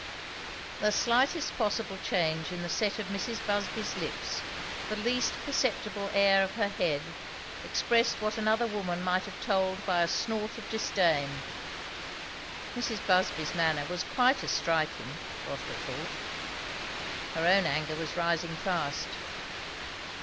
The slightest possible change in the set of Mrs. Busby's lips, the least perceptible air of her head, expressed what another woman might have told by a snort of disdain. Mrs. Busby's manner was quite as striking, Rotha thought. Her own anger was rising fast.